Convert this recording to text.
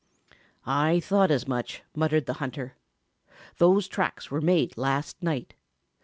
"I thought as much," muttered the hunter. "Those tracks were made last night.